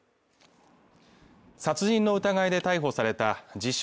殺人の疑いで逮捕された自称